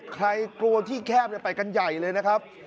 กลัวที่แคบไปกันใหญ่เลยนะครับ